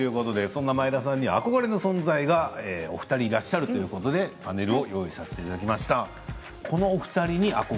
そんな前田さんには憧れの存在が２人いらっしゃるということでパネルを用意させていただきました。